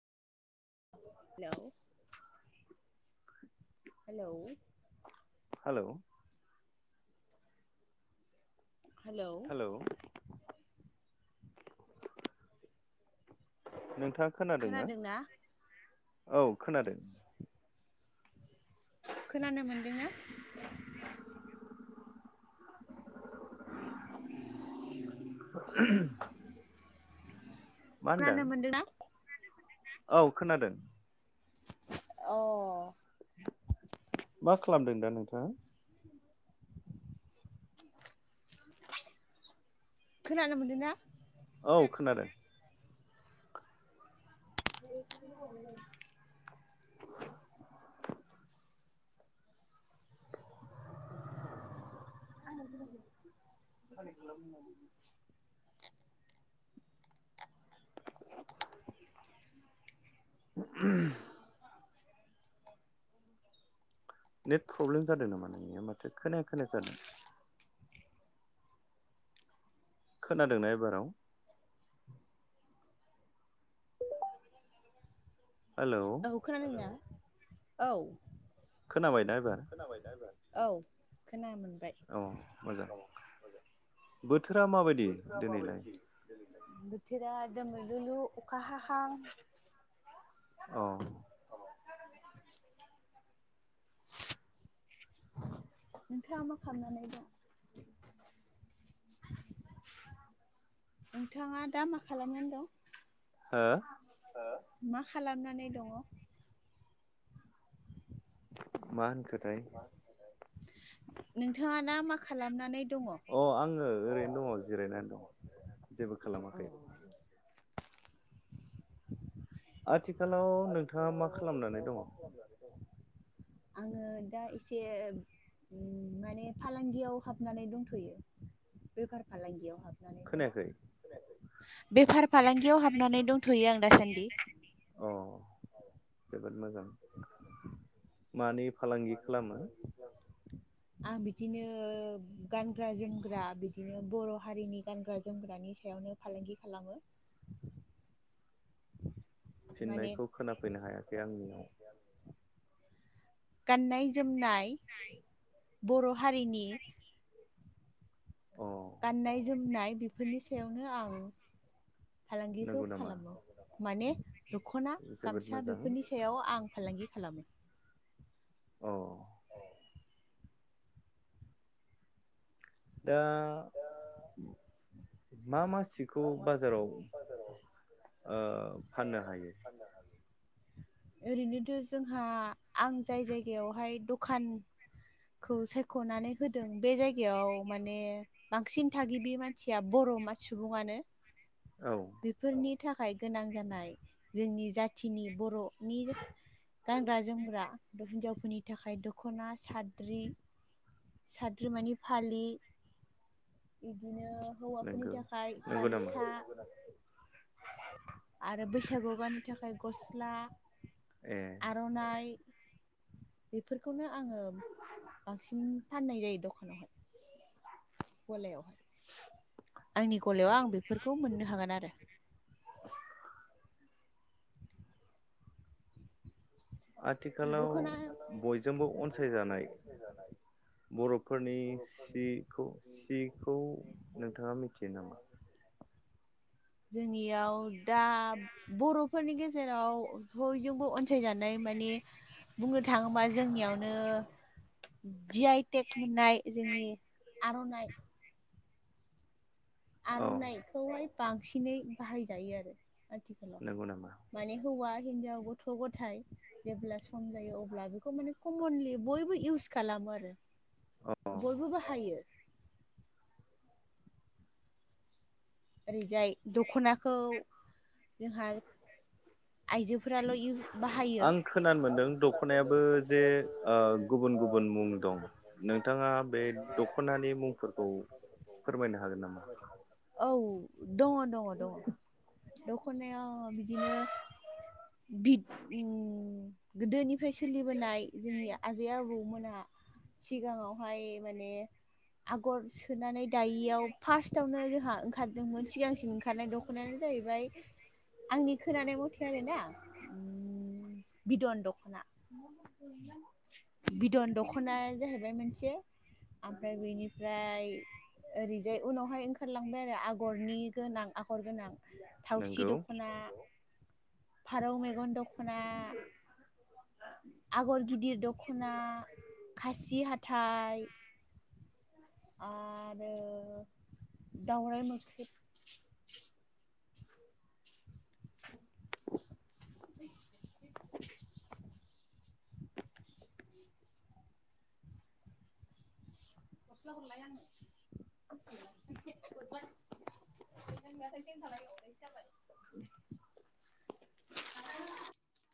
Hello. Hello. Hello. Hello. नों नोंथाङा खोनादोंना? औ खोनादों खोनानो मोन्दों ना? [inaudible] [inaudible] होनदों खोनानो मोनदों ना? औ खोनादों। अ। मा खालामदों दा नोंथाङा? खोनानो मोनदों ना? औ खोनादों। [inaudible] [unintelligible] कानेक खालाम मोननांगौमोन। [inaudible] नेट प्रब्लेम जादों नामा नोंनिया माथो खोनाया खोनाया जादों। खोनादोंना एबाराव? हेलौ औ खोनादों ना? औ। खोनाबायना एबार? औ खोनामोन औ मोजां बोथोरा माबायदि दिनैलाय? बोथोरा दोमैलुलु अखा हाहां अ नोंथाङा मा खालामनानै दं? नोंथाङा दा मा खालामनानै दं? हो? मा खालामनानै दङ? मा होनखो थाय नोंथाङा ना मा खालामनानै दङ? आङो ओरैनो दङ जिरायनानै दं जेबो औ खालामाखै। आथि खालाव नोंथाङा मा खालामनानै दङ? आङो दा एसे माने फालांगियाव हाबनानै दंथ'यो बेफार फालांगियाव हाब खोनायाखै [inaudible] बेफार फालांगियाव हाबनानै दंथ'यो आं दासान्दि। अ जोबोद मोजां। मानि फालांगि खालामो। आं बिदिनो गानग्रा जोमग्रा बिदिनो बर' हारिनि गानग्रा जोमग्रानि सायावनो फालांगि खालामो। माने फिननायखौ खोनाफैनो हायाखै आंनियाव। गाननाय जोमनाय बर' हारिनि अ गाननाय जोमनाय बेफोरनि सायावनो आं फालांगिखौ नंगौ नामा खालामो माने दख'ना जोबोद गामसा मोजां बेफोरनि सायाव आं फालांगि खालामो। अ दा मा मा सिखौ बाजाराव ओ फाननो हायो? ओरैनोथ' जोंहा आं जाय जायगायावहाय दखानखौ सायख'नानै होदों, बे जायगायाव माने बांसिन थागिबि मानसिया बर' मा सुबङानो। औ बेफोरनि नि थाखाय गोनां जानाय, जोंनि जाथिनि बर'नि गानग्रा जोमग्रा हिनजावफोरनि थाखाय दख'ना साद्रि साद्रिमानि फालि बिदिनो हौवाफोरनि नंगौ थाखाय नंगौ नामा गामसा। आरो बैसागु आव गाननो थाखाय गस्ला। ए आर'नाइ। बेफोरखौनो आङो बांसिन फाननाय जायो दखानावहाय। गलायावहाय। आंनि गलायाव आं बेफोरखौ मोननो हागोन आरो। आथिखालाव दख'ना बयजोंबो अनसायजानाय बर'फोरनि सिखौ सिखौ नोंथाङा मिथियो नामा? जोंनियाव दा बर'फोरनि गेजेराव बयजोंबो अनसायजानाय माने। बुंनो थाङोबा जोंनियावनो जि आइ टेक मोननाय जोंनि आर'नाय औ आर'नाइखौहाय बांसिनै बाहायजायो आरो। नंगौ नामा आथिखालाव माने हौवा हिनजाव गथ' गथाय जेब्ला सम जायो अब्ला बेखौ माने कमनलि बयबो इउस खालामो आरो। अ बयबो बाहायो। ओरैजाय दख'नाखौ जोंहा आइजोफोराल' इउ बाहायो आं खोनानो मोनदों, दख'नायाबो जे गुबुन गुबुन मुं दं, नोंथाङा बे दख'नानि मुंफोरखौ फोरमायनो हागोन नामाष? औ। दङ दङ दङ। दख'नायाव बिदिनो। बिद उम गोदोनिफ्राय सोलिबोनाय जोंनि आजै आबौमोन। जों सिगाङावहाय माने आगर ओंखारनानै दायियाव, फार्स्टआवनो जोंहा ओंखारदोंमोन सिगांसिम ओंखारनाय दख'नायानो जाहैबाय आंनि खोनानाय मथे। आरो ना बिदन दख'ना। [unintelligible] बिदन दखना जाहैबाय मोनसे, ओमफ्राय बेनिफ्राय ओरैजाय उनावहायं खारलांबाय आरो आ गरनि गोनां आगर गोनां थावसि नोंगौ दख'ना फारौ मेगन दख'ना आगर गिदिर दख' ना खासि हाथाइ आरो दावराइ मोख्रेब [unintelligible] [unintelligible] [unintelligible] गस्ला हरलाय आनो [unintelligible]